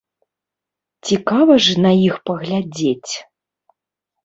Цікава ж на іх паглядзець.